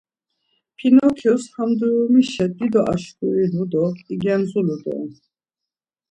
Pinokyos ham durumişe dido aşkurinu do igemzulu doren.